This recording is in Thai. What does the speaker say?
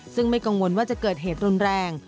ซึ่งไม่กังวลว่าจะเกิดเหตุรุนแรง